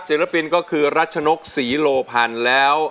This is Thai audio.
ศิลปินก็คือรัชนกศรีโลพันธ์แล้ว